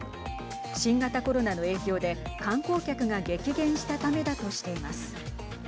新型コロナの影響で観光客が激減したためだとしています。